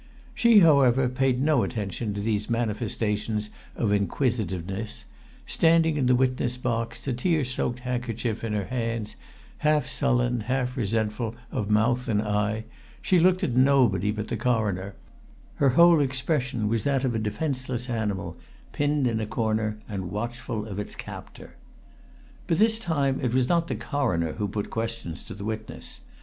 She, however, paid no attention to these manifestations of inquisitiveness; standing in the witness box, a tear soaked handkerchief in her hands, half sullen, half resentful of mouth and eye, she looked at nobody but the Coroner; her whole expression was that of a defenceless animal, pinned in a corner and watchful of its captor. But this time it was not the Coroner who put questions to the witness.